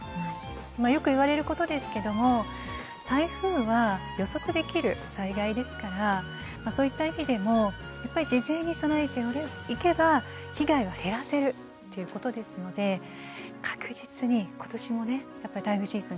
よく言われることですけども台風は予測できる災害ですからそういった意味でも事前に備えていけば被害は減らせるということですので確実に今年もね台風シーズン